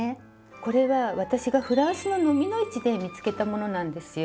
これは私がフランスの蚤の市で見つけたものなんですよ。